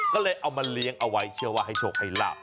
ก็เลยเอามาเลี้ยงเอาไว้เชื่อว่าให้โชคให้ลาบ